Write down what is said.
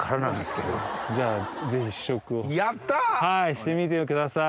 してみてください！